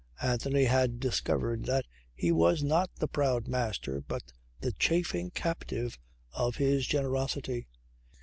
Anthony had discovered that he was not the proud master but the chafing captive of his generosity.